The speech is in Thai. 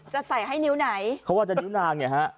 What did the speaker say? จะใส่ให้นิ้วไหนเขาว่าจะนิ้วนางเนี่ยฮะ